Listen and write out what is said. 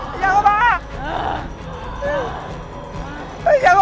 ไปไอ้มายอยู่ออกชีวิตให้ไว้